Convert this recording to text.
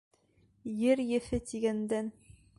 Ер еҫе, тигәндән.